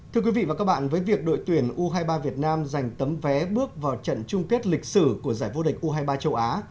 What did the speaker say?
thưa quý vị và các bạn với việc đội tuyển u hai mươi ba việt nam giành tấm vé bước vào trận chung kết lịch sử của giải vô địch u hai mươi ba châu á